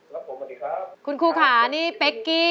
แล้วผมสวัสดีครับ